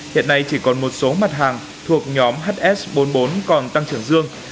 hiện nay chỉ còn một số mặt hàng thuộc nhóm hs bốn mươi bốn còn tăng trưởng dương